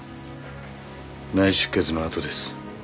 内出血の跡です